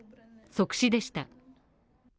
即死でした。